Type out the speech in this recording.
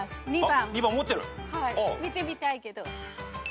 見てみたいけど。